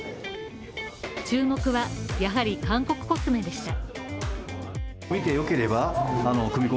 注目は、やはり韓国コスメでした。